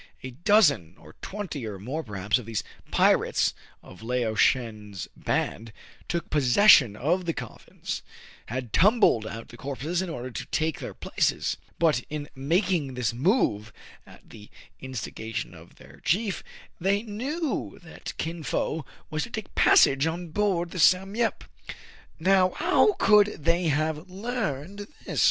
A dozen or twenty, or more perhaps, of these pirates of Lao Shen's band, taking possession of the coffins, had tumbled out the corpses, in order to take their places. But, in making this move at the instiga tion of their chief, they knew that Kin Fo was to take passage on board the "Sam Yep." Now, how could they have learned this ?